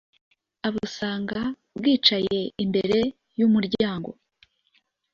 abusanga bwicaye imbere y’umuryango.